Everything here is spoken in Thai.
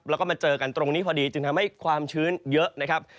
แล้วก็มาเจอกันตรงนี้พอดีจึงทำให้ความชื้นเยอะนะครับ